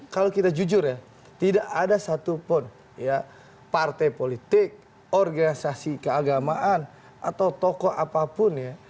kalau kita jujur ya tidak ada satupun ya partai politik organisasi keagamaan atau tokoh apapun ya